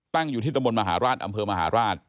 ตั้งอยู่ที่ตะบนมหาราชอำเภอมหาราช